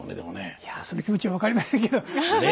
いやその気持ちは分かりませんけど。